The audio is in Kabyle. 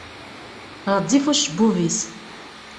Ɣezzif ucebbub-is.